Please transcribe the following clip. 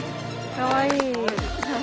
かわいい。